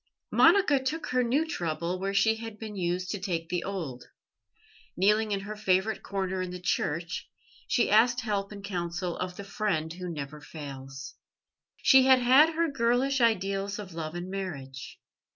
Monica took her new trouble where she had been used to take the old. Kneeling in her favourite corner in the church, she asked help and counsel of the Friend Who never fails. She had had her girlish ideals of love and marriage.